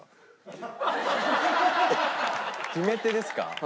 決め手ですか？